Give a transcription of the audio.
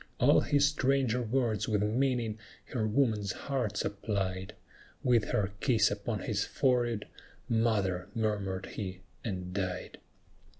All his stranger words with meaning her woman's heart supplied; With her kiss upon his forehead, "Mother!" murmured he, and died!